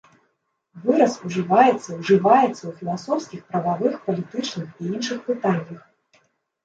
Выраз ужываецца ўжываецца ў філасофскіх, прававых, палітычных і іншых пытаннях.